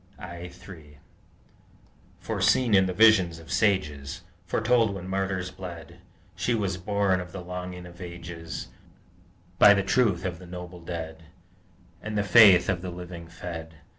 I 3 Foreseen in the vision of sages, Foretold when martyrs bled, She was born of the longing of ages, By the truth of the noble dead And the faith of the living fed!